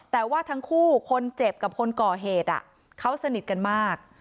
แต่ว่าทั้งคู่คนเจ็บกับคนก่อเหตุเขาสนิทกันมาก